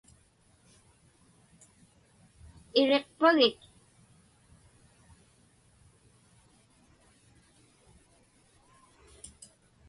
Iriqpagik?